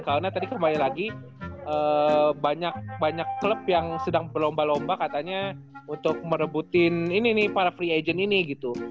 karena tadi kembali lagi banyak klub yang sedang berlomba lomba katanya untuk merebutin ini nih para free agent ini gitu